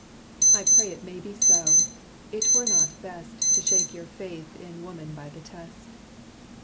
I pray it may be so; it were not best To shake your faith in woman by the test.